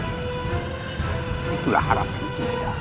itulah harapan kita